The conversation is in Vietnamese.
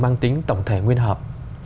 mang tính tổng thể nguyên hợp